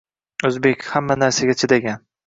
O‘zbek... Hamma narsaga chidagan